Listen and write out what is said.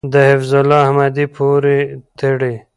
د حفیظ الله احمدی پورې تړي .